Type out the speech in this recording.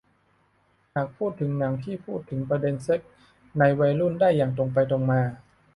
หากพูดถึงหนังที่พูดถึงประเด็นเซ็กส์ในวัยรุ่นได้อย่างตรงไปตรงมา